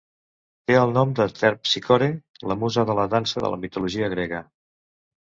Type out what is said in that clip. Té el nom de Terpsícore, la musa de la dansa de la mitologia grega.